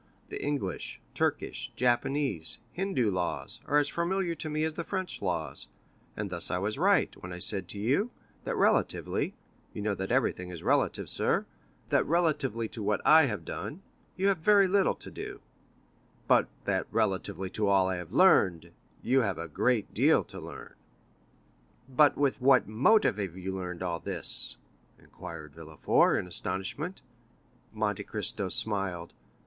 The English, Turkish, Japanese, Hindu laws, are as familiar to me as the French laws, and thus I was right, when I said to you, that relatively (you know that everything is relative, sir)—that relatively to what I have done, you have very little to do; but that relatively to all I have learned, you have yet a great deal to learn." "But with what motive have you learned all this?" inquired Villefort, in astonishment. Monte Cristo smiled.